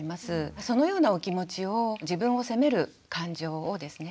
そのようなお気持ちを自分を責める感情をですね